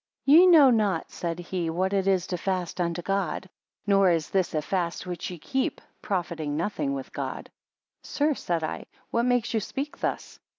Ye know not, said he, what it is to fast unto God; nor is this a fast which ye keep, profiting nothing with God. 3 Sir, said I, what makes you speak thus?